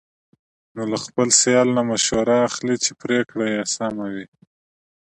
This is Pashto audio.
نو له خپل سیال نه مشوره اخلي، چې پرېکړه یې سمه وي.